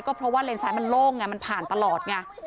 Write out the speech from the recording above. เพราะว่าเลนซ้ายมันโล่งไงมันผ่านตลอดไง